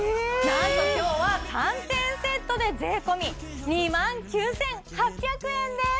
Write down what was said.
なんと今日は３点セットで税込２万９８００円です